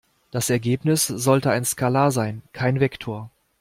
Das Ergebnis sollte ein Skalar sein, kein Vektor.